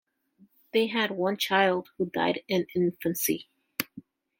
They had one child who died in infancy.